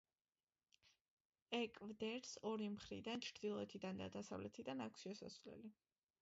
ეკვდერს ორი მხრიდან, ჩრდილოეთიდან და დასავლეთიდან, აქვს შესასვლელი.